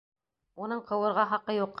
Уның ҡыуырға хаҡы юҡ.